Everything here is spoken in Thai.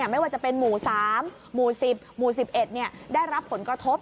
ไม่ว่าจะเป็นหมู่๓หมู่๑๐หมู่๑๑ได้รับผลกระทบ